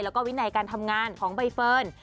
แล้วก็วินัยการทำงานของใบเฟิร์น